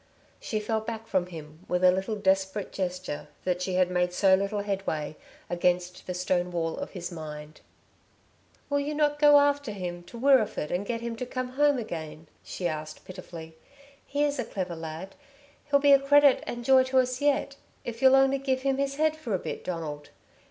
She fell back from him with a little desperate gesture that she had made so little headway against the stone wall of his mind. "Will you not go after him to Wirreeford and get him to come home again?" she asked pitifully. "He is a clever lad. He'll be a credit and joy to us yet, if you'll only give him his head for a bit, Donald.